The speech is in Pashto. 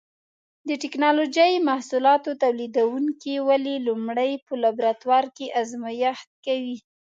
د ټېکنالوجۍ محصولاتو تولیدوونکي ولې لومړی په لابراتوار کې ازمېښت کوي؟